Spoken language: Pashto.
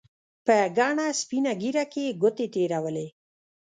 په گڼه سپينه ږيره کښې يې گوتې تېرولې.